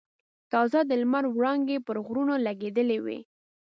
تازه د لمر وړانګې پر غرونو لګېدلې وې.